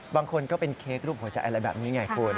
บางคนก็เป็นเค้กรูปหัวใจอะไรแบบนี้ไงคุณ